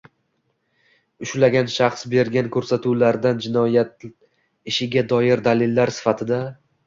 ushlangan shaxs bergan ko‘rsatuvlardan jinoyat ishiga doir dalillar sifatida